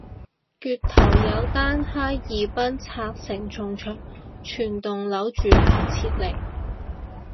月頭有單哈爾濱拆承重牆全棟樓住客撤離